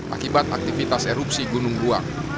akibat aktivitas erupsi gunung buang